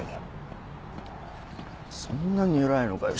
そんなに偉いのかよ